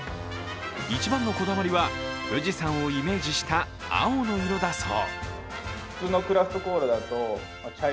一番のこだわりは富士山をイメージした青の色だそう。